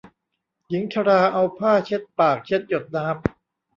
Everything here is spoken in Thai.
หญิงชราเอาผ้าเช็ดปากเช็ดหยดน้ำ